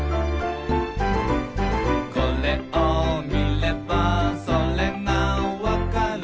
「これを見ればそれがわかる」